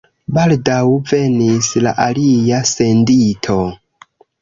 Baldaŭ venis la alia sendito.